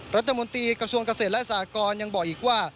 รัฐมนตรีกระทรวงเกษตรและสากรยังบอกอีกว่า